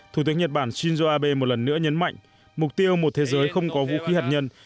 thủ tướng nhật bản shinzo abe một lần nữa nhấn mạnh mục tiêu một thế giới không có vũ khí hạt nhân